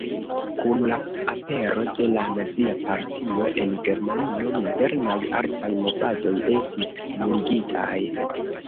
Kun la apero de la Nazia Partio en Germanio, modernaj artaj movadoj estis nuligitaj.